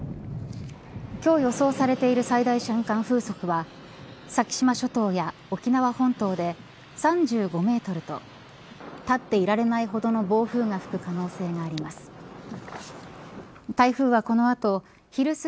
今日、予想されている最大瞬間風速は先島諸島や沖縄本島で３５メートルと立っていられないほどの暴風が吹く可能性があります。